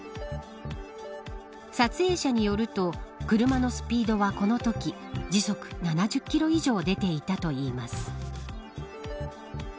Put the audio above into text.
撮影者によると車のスピードはこのとき時速７０キロ以上出ていたといいます。